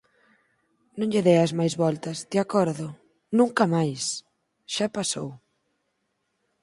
Non lle deas máis voltas, de acordo? Nunca máis! Xa pasou…